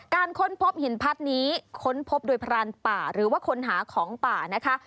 ค้นพบหินพัดนี้ค้นพบโดยพรานป่าหรือว่าค้นหาของป่านะคะ